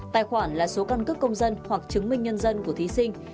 tài khoản là số căn cấp công dân hoặc chứng minh nhân dân của thí sinh